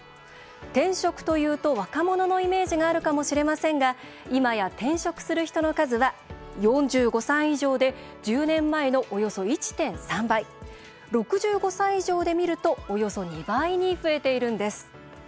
転職というと若者のイメージがあるかもしれませんがいまや転職する人の数は４５歳以上で１０年前のおよそ１．３倍６５歳以上で見るとおよそ２倍に増えているんです。